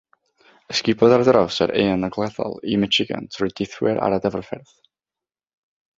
Ysgubodd ar draws yr haen ogleddol i Michigan trwy deithwyr ar y dyfrffyrdd.